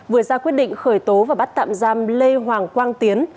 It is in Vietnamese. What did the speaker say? vừa ra quyết định khởi tố và bắt tạm giam lê hoàng quang tiến